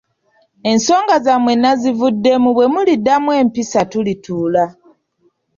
Ensonga zammwe nazivuddemu bwe muliddamu empisa tulituula.